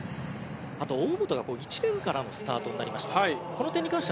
あと大本が１レーンからのスタートになりました。